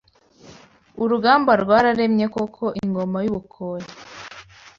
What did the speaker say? Urugamba rwararemye koko Ingoma y’u Bukonya